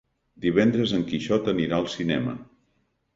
Divendres en Quixot anirà al cinema.